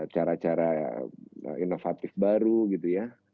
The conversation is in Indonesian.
cara cara inovatif baru gitu ya